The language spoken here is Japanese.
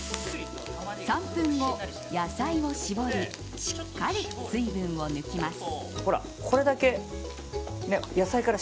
３分後、野菜を絞りしっかり水分を抜きます。